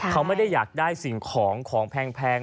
เขาไม่ได้อยากได้สิ่งของของแพง